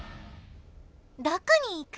どこに行く？